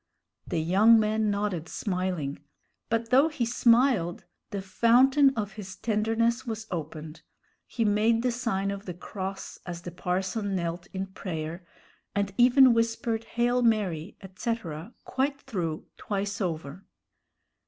The young man nodded, smiling; but though he smiled, the fountain of his tenderness was opened. He made the sign of the cross as the parson knelt in prayer, and even whispered "Hail Mary," etc., quite through, twice over.